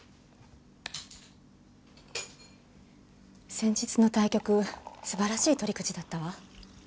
先日の対局素晴らしい取り口だったわ。